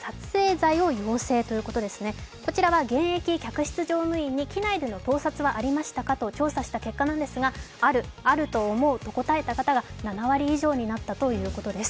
こちらは現役客室乗務員に機内での盗撮はありましたかと調査した結果なんですが、ある、あると思うと答えた方が７割以上になったということです。